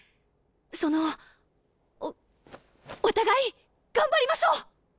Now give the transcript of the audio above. そのおお互い頑張りましょう！